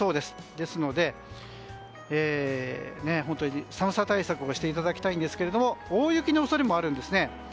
ですので、寒さ対策をしていただきたいんですが大雪の恐れもありそうです。